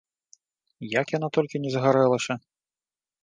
Як яна толькі не загарэлася?